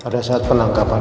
pada saat penangkapan elsa